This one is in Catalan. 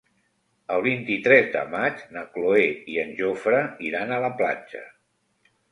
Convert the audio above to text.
El vint-i-tres de maig na Cloè i en Jofre iran a la platja.